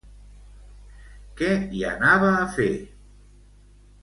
Què hi anava a fer?